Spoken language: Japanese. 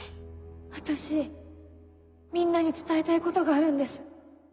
私みんなに伝えたいことがあるんです